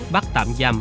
bắt tạm giam